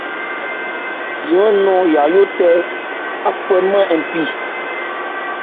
Di wɛ́n nɔ̂n Yayó tɛ ákwámɛn npi.